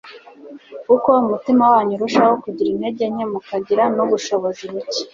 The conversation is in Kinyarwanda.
Uko umutima wanyu urushaho kugira intege nke mukagira n'ubushobozi buke,